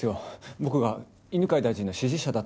僕が犬飼大臣の支持者だったら？